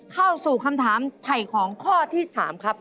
เข้าสู่คำถามไถ่ของข้อที่๓ครับ